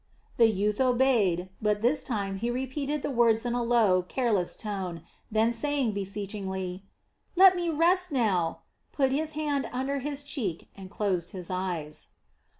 The youth obeyed, but this time he repeated the words in a low, careless tone, then saying beseechingly: "Let me rest now," put his hand under his cheek and closed his eyes.